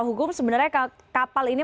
hukum sebenarnya kapal ini